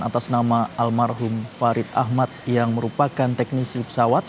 atas nama almarhum farid ahmad yang merupakan teknisi pesawat